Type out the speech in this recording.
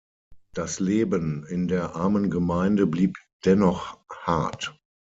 Das Leben in der armen Gemeinde blieb dennoch hart.